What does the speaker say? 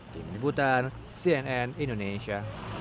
tim ibutan cnn indonesia